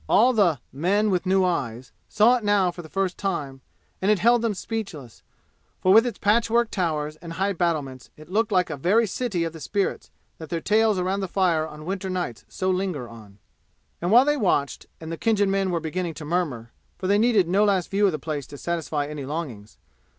All the "Men with New Eyes" saw it now for the first time, and it held them speechless, for with its patchwork towers and high battlements it looked like a very city of the spirits that their tales around the fire on winter nights so linger on. And while they watched, and the Khinjan men were beginning to murmur (for they needed no last view of the place to satisfy any longings!)